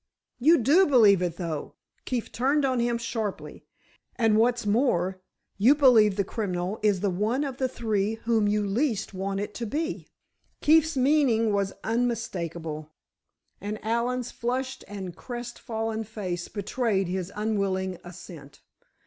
"You do believe it, though!" Keefe turned on him, sharply. "And what's more, you believe the criminal is the one of the three whom you least want it to be!" Keefe's meaning was unmistakable, and Allen's flushed and crestfallen face betrayed his unwilling assent.